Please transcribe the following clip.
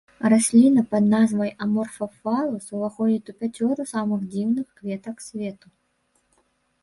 Расліна пад назвай аморфафалус уваходзіць у пяцёрку самых дзіўных кветак свету.